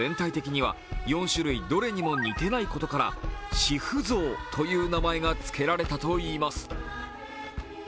ただ、全体的には４種類どれにも似てないことからシフゾウという名前がつけられといいます。